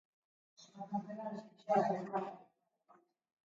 Alerta gorenean jarraitzen du herrialdeak.